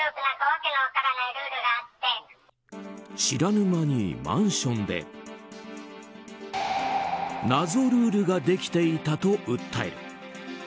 知らぬ間にマンションで謎ルールができていたと訴える。